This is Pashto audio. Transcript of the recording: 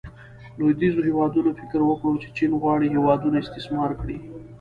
لویدیځو هیوادونو فکر وکړو چې چین غواړي هیوادونه استثمار کړي.